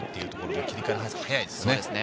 切り替え早いですね。